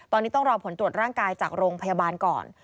ตอนนี้ต้องรอผลตรวจร่างกายจากโรงพยาบาลก่อน